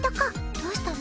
どうしたの？